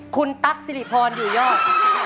คุณตั๊กสิริพรอยู่ยอด